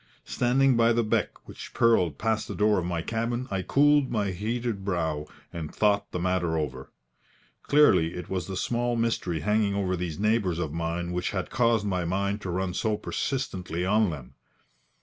Standing by the beck which purled past the door of my cabin, I cooled my heated brow, and thought the matter over. Clearly it was the small mystery hanging over these neighbours of mine which had caused my mind to run so persistently on them.